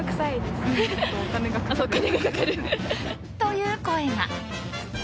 という声が。